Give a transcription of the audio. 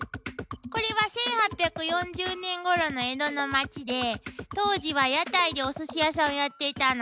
これは１８４０年ごろの江戸の町で当時は屋台でおすし屋さんをやっていたの。